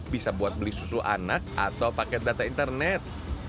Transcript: bisa buat beli susu anak atau paket data internet